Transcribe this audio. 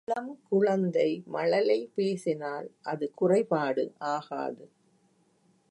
இளங் குழந்தை மழலை பேசினால் அது குறைபாடு ஆகாது.